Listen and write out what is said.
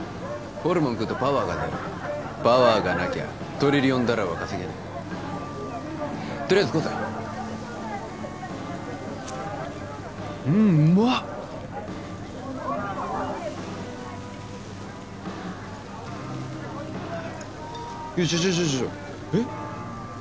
ホルモン食うとパワーが出るパワーがなきゃトリリオンダラーは稼げねえとりあえず食おうぜうんうまっちょちょちょちょえっ？